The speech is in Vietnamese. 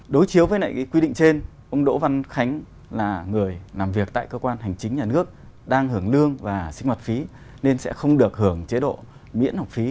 đối chiếu với quy định trên ông đỗ văn khánh là người làm việc tại cơ quan hành chính nhà nước đang hưởng lương và sinh hoạt phí nên sẽ không được hưởng chế độ miễn học phí